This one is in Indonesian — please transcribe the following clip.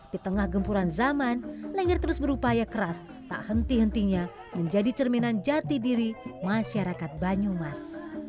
di tengah gempuran zaman lengger terus berupaya keras tak henti hentinya menjadi cerminan jati diri masyarakat banyumas